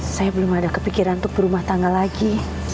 saya belum ada kepikiran untuk berumah tangga lagi